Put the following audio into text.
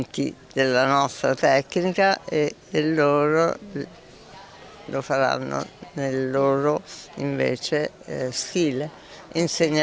karena akan ada pergabungan ini